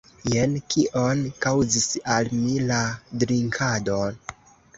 Jen kion kaŭzis al mi la drinkado!